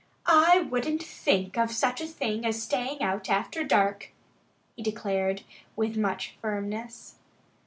"I wouldn't think of such a thing as staying out after dark!" he declared with much firmness.